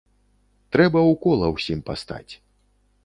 Трэба ў кола ўсім пастаць.